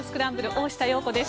大下容子です。